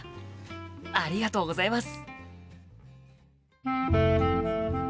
ありがとうございます！